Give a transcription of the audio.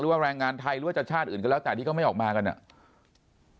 หรือว่าแรงงานไทยหรือว่าจัดชาติอื่นก็แล้วแต่ที่ก็ไม่ออกมากันเนี่ย